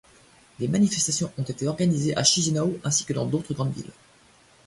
Des manifestations ont été organisées à Chișinău ainsi que dans d'autres grandes villes.